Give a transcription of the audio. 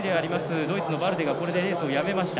ドイツのバルデがレースをやめました。